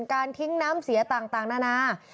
การทิ้งน้ำเสียต่างนานา